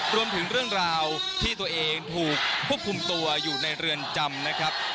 เรื่องราวที่ตัวเองถูกควบคุมตัวอยู่ในเรือนจำนะครับ